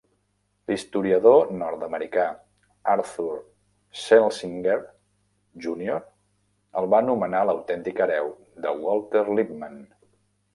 L'historiador nord-americà Arthur Schlesinger, júnior, el va anomenar l'autèntic hereu de Walter Lippmann.